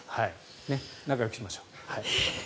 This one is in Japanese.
仲よくしましょう。